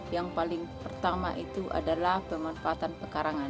yang paling pertama itu adalah pemanfaatan pekarangan